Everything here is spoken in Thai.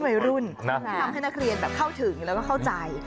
นะทำให้นักเรียนเข้าถึงแล้วก็เข้าใจ